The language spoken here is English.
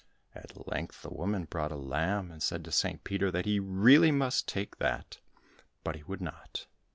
At length the woman brought a lamb and said to St. Peter that he really must take that, but he would not.